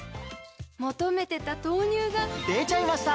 求めてた豆乳がでちゃいました！